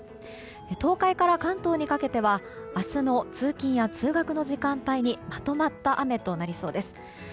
東海から関東にかけては明日の通勤や通学の時間帯にまとまった雨となりそうです。